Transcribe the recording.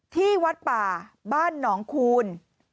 ที่วัดป่าบ้านหนองคูณ